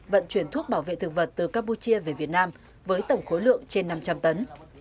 vận chuyển thuốc bảo vệ thực vật từ campuchia về việt nam với tổng khối lượng trên năm trăm linh tấn